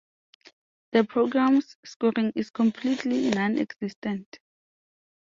The programme's scoring is completely nonexistent.